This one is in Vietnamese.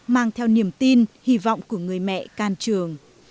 mang theo niềm tin hy vọng của người mẹ can trường